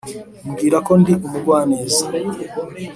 mbwira ko ndi umugwaneza,